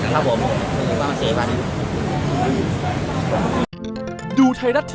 ก็ได้นาน๔๐๐๐บาท